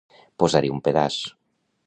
Posar-hi un pedaç.